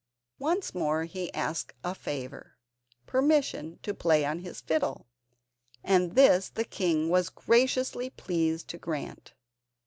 Once more he asked a favour—permission to play on his fiddle, and this the king was graciously pleased to grant.